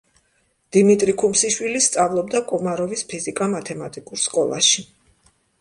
დიმიტრი ქუმსიშვილი სწავლობდა კომაროვის ფიზიკა-მათემატიკურ სკოლაში.